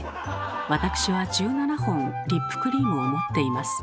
わたくしは１７本リップクリームを持っています。